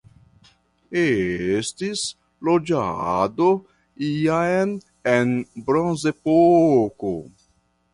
Estis loĝado jam en Bronzepoko.